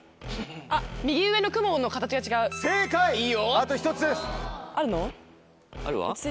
あと１つです。